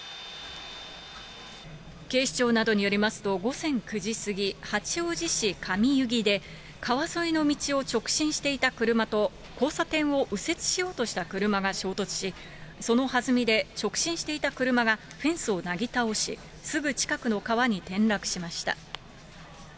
警視庁などによりますと、午前９時過ぎ、八王子市上柚木で、川沿いの道を直進していた車と交差点を右折しようとしていた車が衝突し、そのはずみで直進していた車がフェンスをなぎ倒し、すぐ近くの川に転落しました。